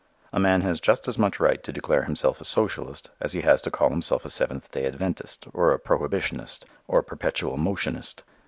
A man has just as much right to declare himself a socialist as he has to call himself a Seventh Day Adventist or a Prohibitionist, or a Perpetual Motionist.